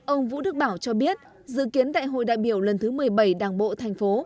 ông vũ đức bảo cho biết dự kiến đại hội đại biểu lần thứ một mươi bảy đảng bộ thành phố